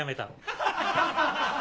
ハハハハ。